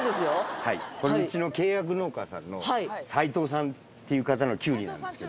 これうちの契約農家さんの斉藤さんっていう方のきゅうりなんですけど。